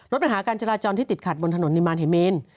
รถประหาการจราจรที่ติดขัดบนถนนนิมมาลเหมน